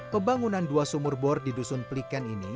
pembangunan dua sumur bor di dusun pliken ini